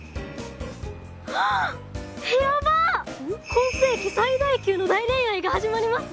「今世紀最大級の大恋愛がはじまります！」